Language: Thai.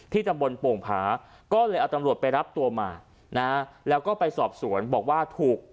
ตำบลโป่งผาก็เลยเอาตำรวจไปรับตัวมานะแล้วก็ไปสอบสวนบอกว่าถูก